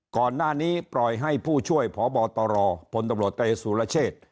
ก่อนหน้านี้ปล่อยให้ผู้ช่วยพบตรพตตสุรเชษฐ์